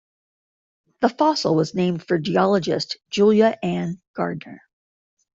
The fossil was named for geologist Julia Anna Gardner.